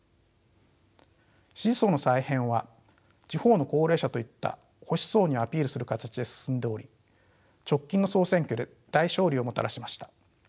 支持層の再編は地方の高齢者といった保守層にアピールする形で進んでおり直近の総選挙で大勝利をもたらしました。